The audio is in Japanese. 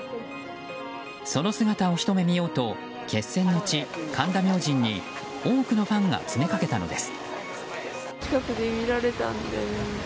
その姿をひと目見ようと決戦の地・神田明神に多くのファンが詰めかけたのです。